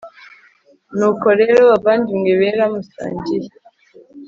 nuko rero bavandimwe bera musangiye